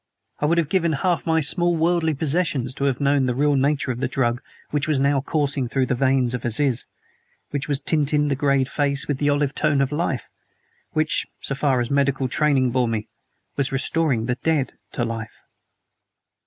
I would have given half of my small worldly possessions to have known the real nature of the drug which was now coursing through the veins of Aziz which was tinting the grayed face with the olive tone of life; which, so far as my medical training bore me, was restoring the dead to life.